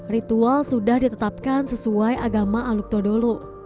ritual sudah ditetapkan sesuai agama aluk todolo